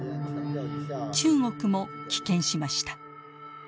中国も棄権しました。